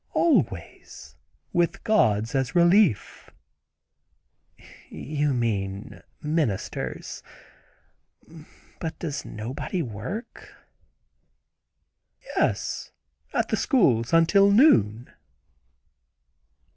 "Always, with Gods as relief." "You mean ministers—but does nobody work?" "Yes; at the schools until noon."